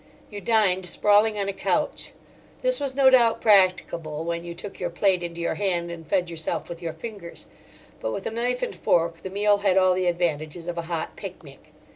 You dined sprawling on a couch. This was no doubt practicable when you took your plate into your hand and fed yourself with your fingers; but with a knife and fork the meal had all the advantages of a hot picnic.